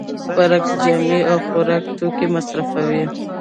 برعکس جامې او خوراکي توکي مصرفوي